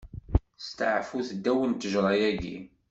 Steɛfut ddaw n ttejṛa-agi.